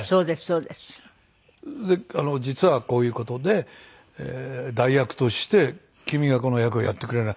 「実はこういう事で代役として君がこの役をやってくれない？」。